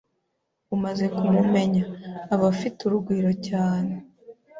Umaze kumumenya, aba afite urugwiro cyane.